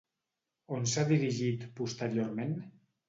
On s'ha dirigit posteriorment?